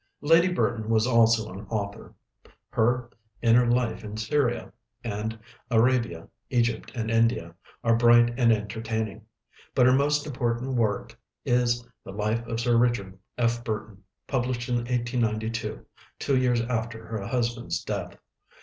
Lady Burton was also an author; her 'Inner Life in Syria' and 'Arabia, Egypt, and India' are bright and entertaining. But her most important work is the 'Life of Sir Richard F. Burton,' published in 1892, two years after her husband's death.